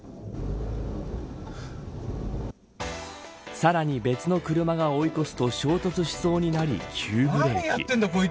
さらに別の車が追い越すと衝突しそうになり急ブレーキ。